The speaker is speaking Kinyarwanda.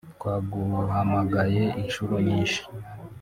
Twaguhamagaye inshuro nyinshi